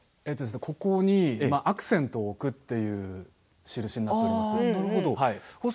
ここにアクセントを置くという印になっているんです。